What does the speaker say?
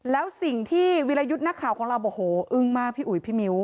แล้วสิ่งที่วิรยุทธ์นักข่าวของเราบอกโหอึ้งมากพี่อุ๋ยพี่มิ้ว